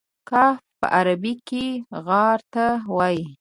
کهف په عربي کې غار ته وایي.